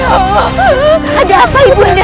ada apa ibu anda